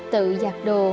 tự giặt đồ